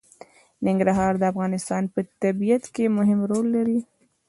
ننګرهار د افغانستان په طبیعت کې مهم رول لري.